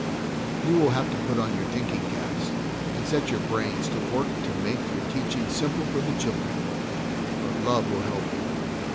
You will have to put on your thinking caps, and set your brains to work to make your teaching simple for the children; but love will help you.